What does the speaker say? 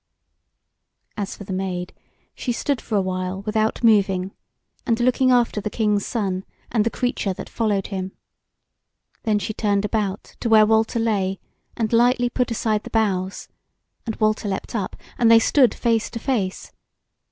As for the Maid, she stood for a while without moving, and looking after the King's Son and the creature that followed him. Then she turned about to where Walter lay and lightly put aside the boughs, and Walter leapt up, and they stood face to face.